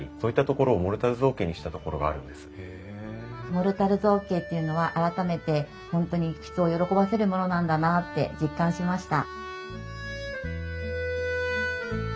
モルタル造形っていうのは改めて本当に人を喜ばせるものなんだなって実感しました。